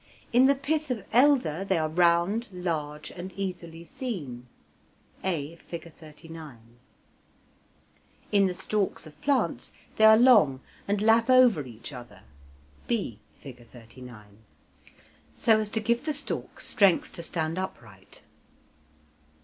In the pith of elder they are round, large, and easily seen (a, Fig. 39); in the stalks of plants they are long, and lap over each other (b, Fig. 39), so as to give the stalk strength to stand upright.